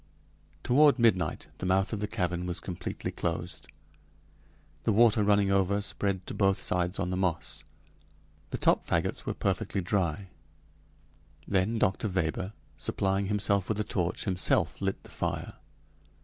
Toward midnight the mouth of the cavern was completely closed. The water running over spread to both sides on the moss. The top fagots were perfectly dry; then Dr. Weber, supplying himself with a torch, himself lit the fire.